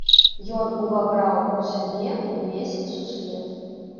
Ён увабраў у сябе ўвесь сусвет.